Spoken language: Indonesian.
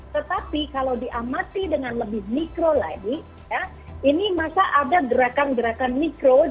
tetapi kalau diamati dengan lebih mikro lagi ini masa ada gerakan gerakan mikro